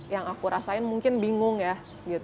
yang aku rasain mungkin bingung ya